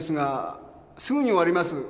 すぐに終わります。